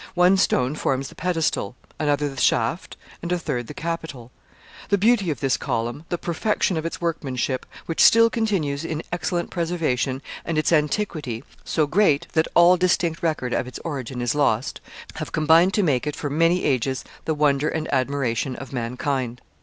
One stone forms the pedestal, another the shaft, and a third the capital. The beauty of this column, the perfection of its workmanship, which still continues in excellent preservation, and its antiquity, so great that all distinct record of its origin is lost, have combined to make it for many ages the wonder and admiration of mankind.